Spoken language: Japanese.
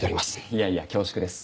いやいや恐縮です。